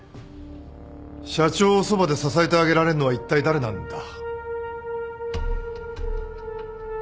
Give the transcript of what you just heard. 社長をそばで支えてあげられんのはいったい誰なんだ。